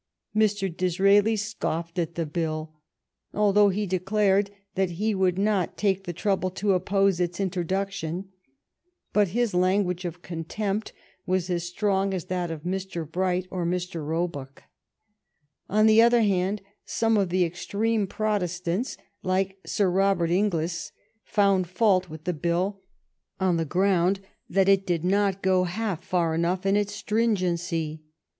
Mr. Disraeli THE STORY OF GLADSTONE'S LIFE scoffed at tliu bill, although In* declared that he would not take the trouble to nppose its introduc tion; but his language of conl^mpt was as strong as that of Mr. Bright or Mr. Roebuck. On the other hand, some of the extreme Protestants like Sir Robert Inglis found fault with the bill on the ground that it did not go half far enough in its stringency.